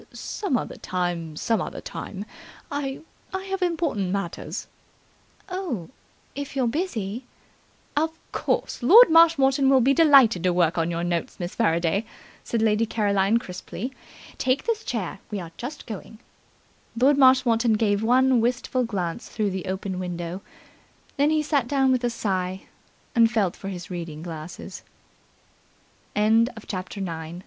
"Some other time, some other time. I I have important matters " "Oh, if you're busy " "Of course, Lord Marshmoreton will be delighted to work on your notes, Miss Faraday," said Lady Caroline crisply. "Take this chair. We are just going." Lord Marshmoreton gave one wistful glance through the open window. Then he sat down with a sigh, and felt for his reading glasses.